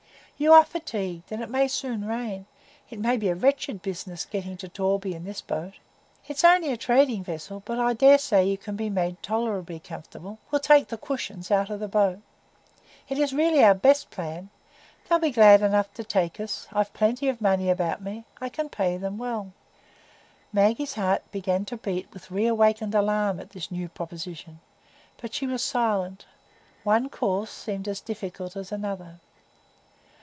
You are fatigued, and it may soon rain; it may be a wretched business, getting to Torby in this boat. It's only a trading vessel, but I dare say you can be made tolerably comfortable. We'll take the cushions out of the boat. It is really our best plan. They'll be glad enough to take us. I've got plenty of money about me. I can pay them well." Maggie's heart began to beat with reawakened alarm at this new proposition; but she was silent,—one course seemed as difficult as another.